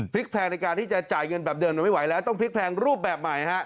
แพงในการที่จะจ่ายเงินแบบเดิมมันไม่ไหวแล้วต้องพลิกแพงรูปแบบใหม่ฮะ